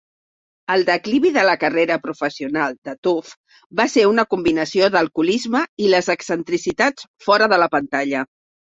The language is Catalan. El declivi de la carrera professional de Tuft va ser una combinació de l'alcoholisme i les excentricitats fora de la pantalla.